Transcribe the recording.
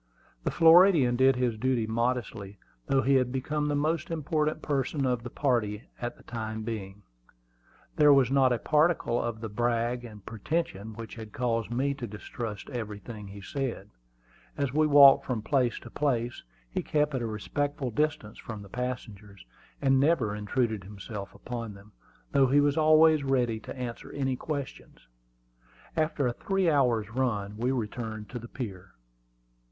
The Floridian did his duty modestly, though he had become the most important person of the party for the time being. There was not a particle of the "brag" and pretension which had caused me to distrust everything he said. As we walked from place to place he kept at a respectful distance from the passengers, and never intruded himself upon them, though he was always ready to answer any questions. After a three hours' run we returned to the pier.